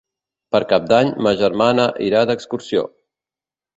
Per Cap d'Any ma germana irà d'excursió.